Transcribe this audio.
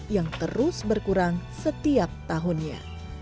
yang terus berkurang setiap tahunnya